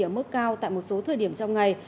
ở mức cao tại một số thời điểm trong ngày